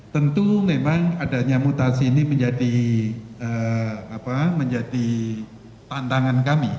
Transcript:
tentu memang adanya mutasi ini menjadi tantangan kami